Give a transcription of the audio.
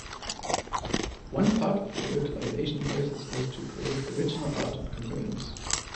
One part of the localization process was to create original art and components.